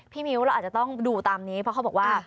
มิ้วเราอาจจะต้องดูตามนี้เพราะเขาบอกว่า